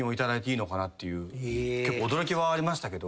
驚きはありましたけど。